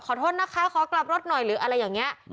ขอโทษนะคะขอกลับรถหน่อยหรืออะไรอย่างนี้